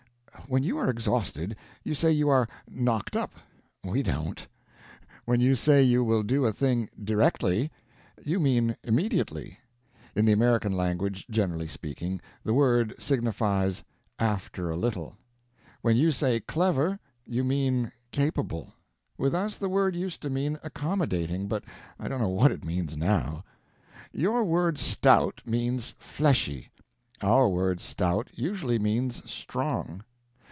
When you are exhausted, you say you are 'knocked up.' We don't. When you say you will do a thing 'directly,' you mean 'immediately'; in the American language generally speaking the word signifies 'after a little.' When you say 'clever,' you mean 'capable'; with us the word used to mean 'accommodating,' but I don't know what it means now. Your word 'stout' means 'fleshy'; our word 'stout' usually means 'strong.'